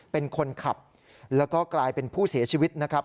เป็นคนขับแล้วก็กลายเป็นผู้เสียชีวิตนะครับ